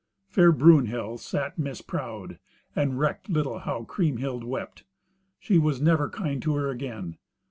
Fair Brunhild sat misproud, and recked little how Kriemhild wept. She was never kind to her again.